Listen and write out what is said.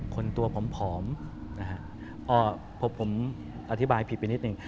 คนตัวผมผอมผมอธิบายผิดไปนิดนึง